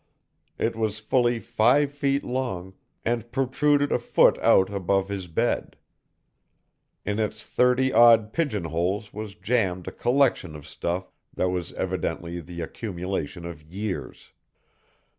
It was fully five feet long and protruded a foot out above his bed. In its thirty odd pigeonholes was jammed a collection of stuff that was evidently the accumulation of years.